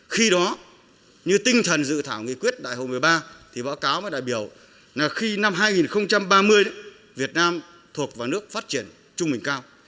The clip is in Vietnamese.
khi đó như tinh thần dự thảo nghị quyết đại hội một mươi ba thì báo cáo với đại biểu là khi năm hai nghìn ba mươi việt nam thuộc vào nước phát triển trung bình cao